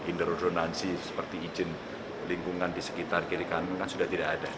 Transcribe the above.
inderonansi seperti izin lingkungan di sekitar kiri kanan kan sudah tidak ada